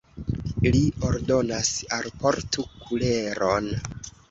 li ordonas: alportu kuleron!